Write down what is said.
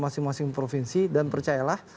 masing masing provinsi dan percayalah